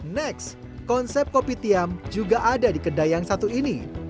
nek konsep kopi team juga di kedai yang satu ini